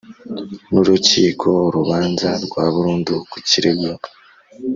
N urukiko urubanza rwa burundu ku kirego